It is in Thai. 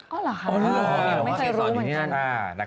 เหรอคะไม่เคยรู้เหมือนกัน